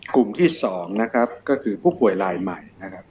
กลุ่มที่๒นะครับก็คือผู้ป่วยลายใหม่นะครับ